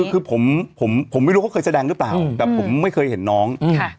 คือผมผมไม่รู้เขาเคยแสดงหรือเปล่าแต่ผมไม่เคยเห็นน้อง